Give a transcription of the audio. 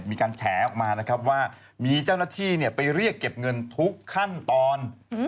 แฉออกมานะครับว่ามีเจ้าหน้าที่ไปเรียกเก็บเงินทุกขั้นตอน